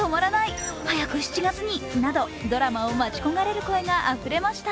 ドラマを待ち焦がれる声があふれました。